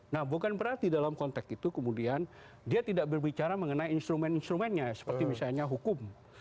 nah bukan berarti dalam konteks itu kemudian dia tidak berbicara mengenai instrumen instrumennya seperti misalnya hukum